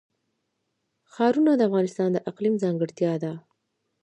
ښارونه د افغانستان د اقلیم ځانګړتیا ده.